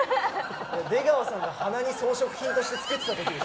出川さんが鼻に装飾品として着けてたときでしょ。